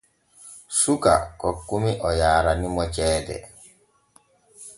Suka kokkumi o yaaranimo ceede.